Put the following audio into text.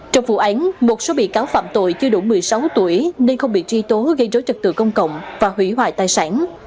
trong vụ án một số bị cáo phạm tội chưa đủ một mươi sáu tuổi nên không bị truy tố gây rối trật tự công cộng và hủy hoại tài sản